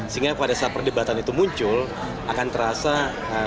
sehingga pada saat perdebatan itu muncul akan terasa substansi yang jelas bagi para pemilih tentunya